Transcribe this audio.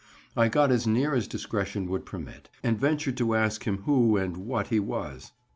I got as near as discretion would permit, and ventured to ask him who and what he was.